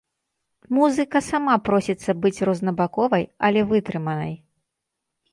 Музыка сама просіцца быць рознабаковай, але вытрыманай.